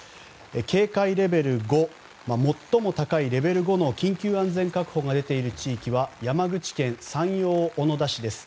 警戒レベル５最も高いレベル５の緊急安全確保が出ているのは山口県山陽小野田市です。